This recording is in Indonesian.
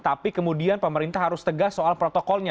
tapi kemudian pemerintah harus tegas soal protokolnya